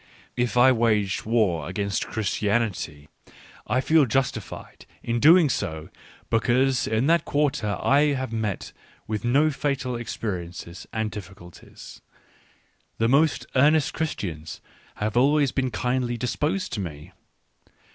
If I wage war against Christianity, I feel justified in doing so, because in that quarter I have met with no fatal experiences and difficulties — the most ear nest Christians have always been kindly disposed to me.